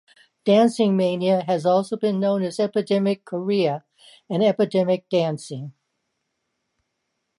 Dancing mania has also been known as epidemic chorea and epidemic dancing.